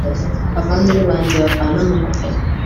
Bavandimwe banjye bavana mumaganya